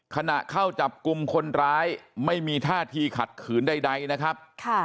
ขณะเข้าจับกลุ่มคนร้ายไม่มีท่าทีขัดขืนใดนะครับ